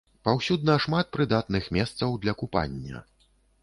Паўсюдна шмат прыдатных месцаў для купання.